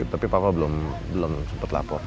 tapi papa belum sempat lapor